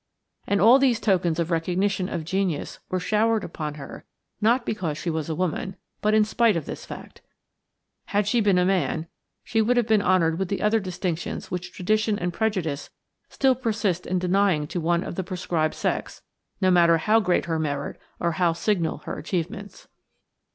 And all these tokens of recognition of genius were showered upon her not because she was a woman, but in spite of this fact. Had she been a man, she would have been honored with the other distinctions which tradition and prejudice still persist in denying to one of the proscribed sex, no matter how great her merit or how signal her achievements.